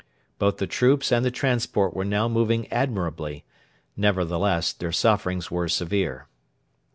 Both the troops and the transport were now moving admirably; nevertheless, their sufferings were severe.